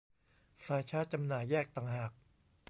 สายชาร์จจำหน่ายแยกต่างหาก